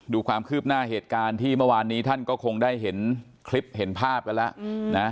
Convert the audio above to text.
ดูความคืบหน้าเหตุการณ์ที่เมื่อวานนี้ท่านก็คงได้เห็นคลิปเห็นภาพกันแล้วนะ